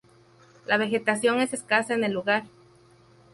La vegetación es escasa en el lugar.